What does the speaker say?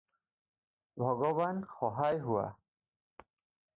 ভগবান, সহায় হোৱা